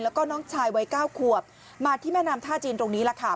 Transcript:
แล้วก็น้องชายวัยเก้าขวบมาที่แม่น้ำท่าจีนตรงนี้แหละค่ะ